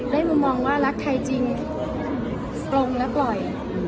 ได้มุมมองว่ารักใครจริงปลงและปล่อย